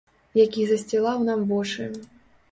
Які засцілаў нам вочы.